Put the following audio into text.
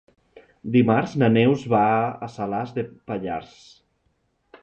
Dimarts na Neus va a Salàs de Pallars.